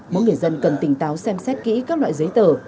mỗi người dân cần tỉnh táo xem xét kỹ các loại giấy tờ